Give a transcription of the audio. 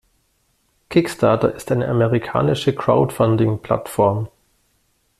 Kickstarter ist eine amerikanische Crowdfunding-Plattform.